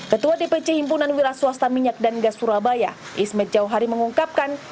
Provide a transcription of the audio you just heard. ketua dpc himpunan wira swasta minyak dan gas surabaya ismet jauhari mengungkapkan